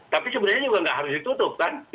tapi sebenarnya juga tidak harus ditutup